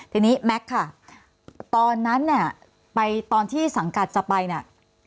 ทีนี้แม็กซ์ค่ะตอนนั้นเนี่ยไปตอนที่สังกัดจะไปเนี่ย